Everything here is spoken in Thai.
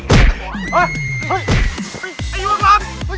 เอา